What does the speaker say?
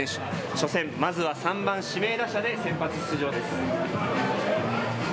初戦、まずは３番指名打者で先発出場です。